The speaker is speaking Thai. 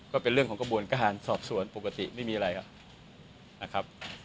ก็เป็นเรื่องของกระบวนการสอบสวนปกติไม่มีอะไรครับนะครับ